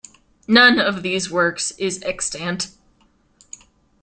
None of these works is extant.